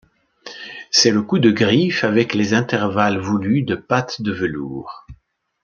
C’est le coup de griffe avec les intervalles voulus de patte de velours.